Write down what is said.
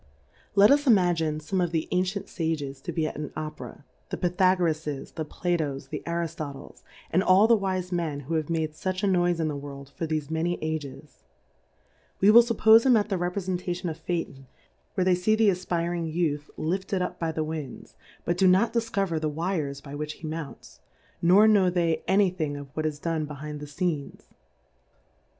Let us imagine, fome of the Ancient Sages, to be at an Opera, the Tytbago r^s\ the Tlato\, the Jri/Utie\ and all the Wife Men who have made fuch a Noife in the World, for thefe many Ages : We will iiippofe 'em at the Re prefentation of Pbadon^ where they fee the afpiring Youth lifted up by the B 5 Windsj '10 Difcourfes On the Winds, but do not difcover the Wires by which he mounts, nor know they any Thing of what is done behind the Scenes.